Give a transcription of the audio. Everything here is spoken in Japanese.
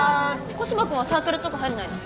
古芝君はサークルとか入んないの？